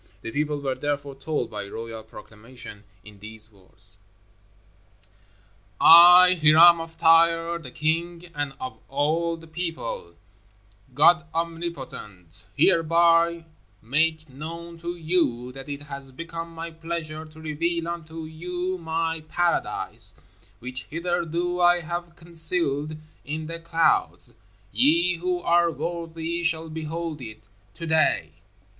The people were therefore told, by royal proclamation, in these words: I, Hiram of Tyre, the King, and of all the People, GOD OMNIPOTENT, Hereby make known to you that it has become my pleasure to reveal unto you my PARADISE which hitherto I have concealed in the clouds. Ye who are worthy shall behold it TODAY!